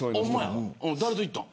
誰と行ったの。